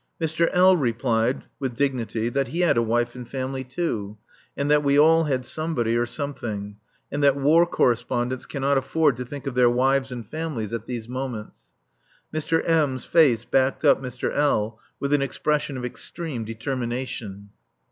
Mr. L. replied with dignity that he had a wife and family too, and that we all had somebody or something; and that War Correspondents cannot afford to think of their wives and families at these moments. Mr. M.'s face backed up Mr. L. with an expression of extreme determination.